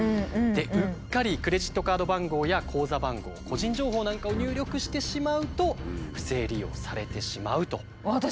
うっかりクレジットカード番号や口座番号個人情報なんかを入力してしまうと不正利用されてしまうと。